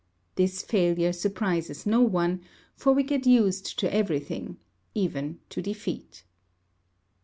This failure surprises no one, for we get used to everything even to defeat.